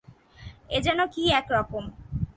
এ যেন কী-এক-রকম!